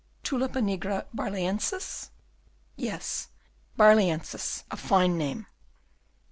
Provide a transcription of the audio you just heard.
Tulipa nigra Barlœnsis? "Yes Barlœnsis: a fine name.